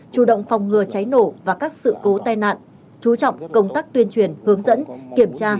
chủ động phòng ngừa cháy nổ và các sự cố tai nạn chú trọng công tác tuyên truyền hướng dẫn kiểm tra